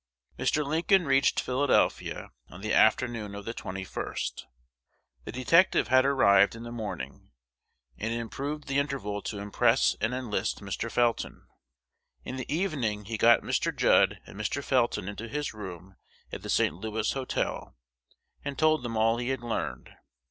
Mr. Lincoln reached Philadelphia on the afternoon of the 21st. The detective had arrived in the morning, and improved the interval to impress and enlist Mr. Felton. In the evening he got Mr. Judd and Mr. Felton into his room at the St. Louis Hotel, and told them all he had learned.